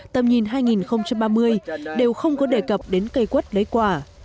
tầm nhìn hai nghìn ba mươi đều không có đề cập đến cây quất lấy quả